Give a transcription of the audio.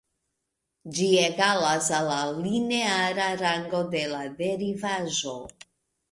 Ĝi egalas al la lineara rango de la derivaĵo.